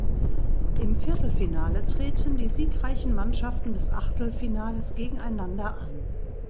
Im Viertelfinale treten die siegreichen Mannschaften des Achtelfinales gegeneinander an.